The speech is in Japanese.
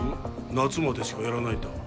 夏までしかやらないんだ